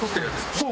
そう。